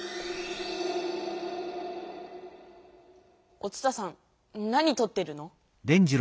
お伝さん何とってるの？